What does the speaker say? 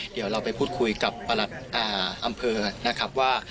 เดี๋ยวเราไปพูดคุยกับประหลัดอำเภอนะครับว่า